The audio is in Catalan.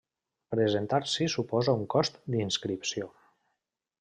Presentar-s'hi suposa un cost d'inscripció.